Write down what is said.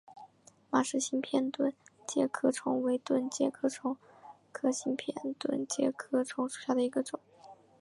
马氏新片盾介壳虫为盾介壳虫科新片盾介壳虫属下的一个种。